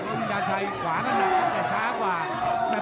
ปริงตะใชอะไรขวางขวานนั่นหนังแต่เช้ากว่าแต่